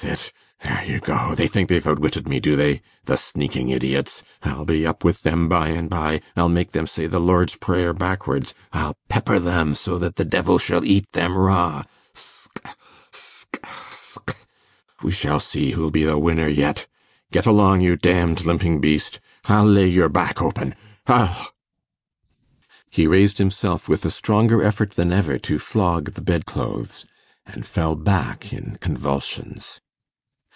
that's it! there you go! They think they've outwitted me, do they? The sneaking idiots! I'll be up with them by and by. I'll make them say the Lord's Prayer backwards ... I'll pepper them so that the devil shall eat them raw ... sc sc sc we shall see who'll be the winner yet ... get along, you damned limping beast ... I'll lay your back open ... I'll ...' He raised himself with a stronger effort than ever to flog the bed clothes, and fell back in convulsions.